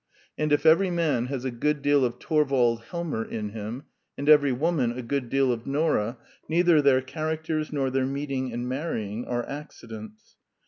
And if every man has a good deal of Torvald Helmer in him, and every woman a good deal of Nora, neither their characters nor their meeting and marrying are accidents.